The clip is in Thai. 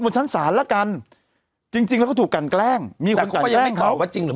ชั้นศาลละกันจริงจริงแล้วก็ถูกกันแกล้งมีคนมาแจ้งเขาว่าจริงหรือ